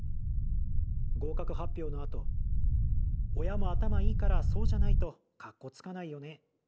合格発表のあと『親も頭いいからそうじゃないとかっこつかないよね』。